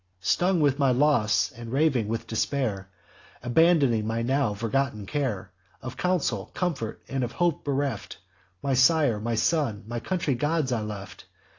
Stung with my loss, and raving with despair, Abandoning my now forgotten care, Of counsel, comfort, and of hope bereft, My sire, my son, my country gods I left.